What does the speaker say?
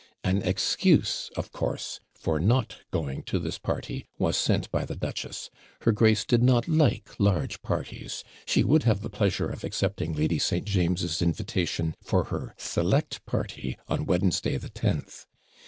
An excuse, of course, for not going to this party was sent by the duchess her grace did not like large parties she would have the pleasure of accepting Lady St. James's invitation for her select party on Wednesday the 10th.